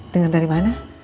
dengar dari mana